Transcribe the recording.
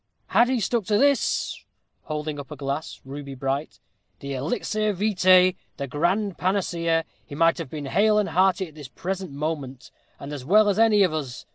"Had he stuck to this" holding up a glass, ruby bright "the elixir vitæ the grand panacea he might have been hale and hearty at this present moment, and as well as any of us.